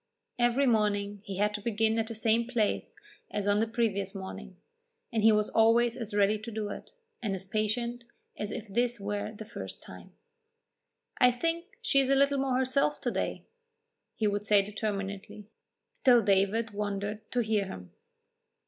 Every morning he had to begin at the same place as on the previous morning, and he was always as ready to do it, and as patient, as if this were the first time. "I think she is a little more herself to day," he would say determinedly, till David wondered to hear him.